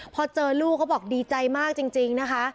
พอเจอลูกเขาบอกดีใจมากจริงนะคะ